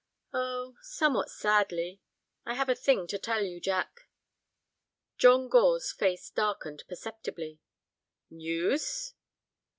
"Oh, somewhat sadly. I have a thing to tell you, Jack." John Gore's face darkened perceptibly. "News?"